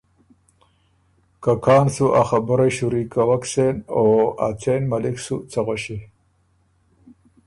که کان سو ا خبُرئ شُوري سېن او ا څېن مَلِک سُو څۀ غؤݭی۔